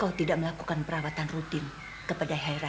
kau tidak melakukan perawatan rutin kepada hairan